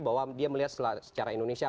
bahwa dia melihat secara indonesia